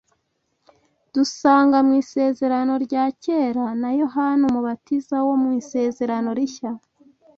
dusanga mu Isezerano rya Kera na Yohana Umubatiza, wo mu Isezerano Rishya